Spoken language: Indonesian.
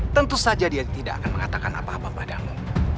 tentu saja dia tidak akan mengatakan apa apa padamu